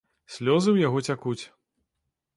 Слёзы ў яго цякуць.